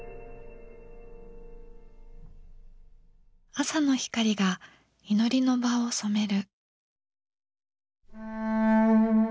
朝の光が祈りの場を染める。